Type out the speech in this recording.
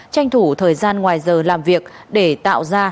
tranh thủ thời gian ngoài giờ làm việc để tạo ra